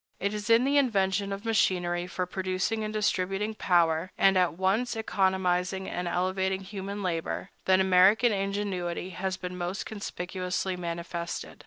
It is in the invention of machinery for producing and distributing power, and at once economizing and elevating human labor, that American ingenuity has been most conspicuously manifested.